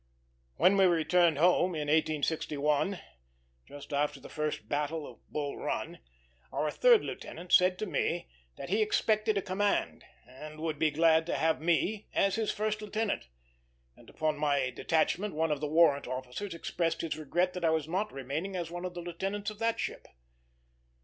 When we returned home in 1861, just after the first battle of Bull Run, our third lieutenant said to me that he expected a command, and would be glad to have me as his first lieutenant; and upon my detachment one of the warrant officers expressed his regret that I was not remaining as one of the lieutenants of the ship.